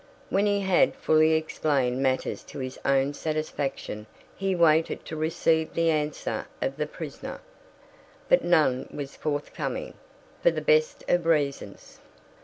When he had fully explained matters to his own satisfaction he waited to receive the answer of the prisoner; but none was forthcoming, for the best of reasons.